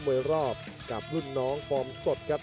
มวยรอบกับรุ่นน้องฟอร์มสดครับ